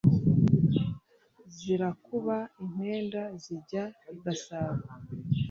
Zirakuba impenda zijya i Gasabo.